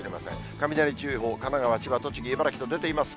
雷注意報、神奈川、栃木、千葉、茨城と出ています。